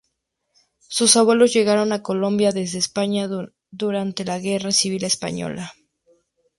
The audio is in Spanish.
Sus abuelos llegaron a Colombia desde España durante la Guerra Civil Española.